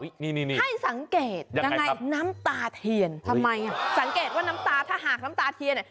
นี่ให้สังเกตยังไงน้ำตาเทียนทำไมอ่ะสังเกตว่าน้ำตาถ้าหากน้ำตาเทียนเนี่ย